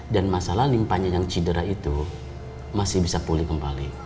dan masalah limpahnya yang cedera itu masih bisa pulih kembali